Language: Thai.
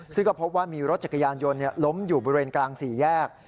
ซึ่งก็พบว่ามีรถจักรยานยนต์ล้มอยู่บริเวณกลางสี่แยก